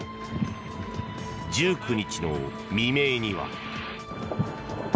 １９日の未明には。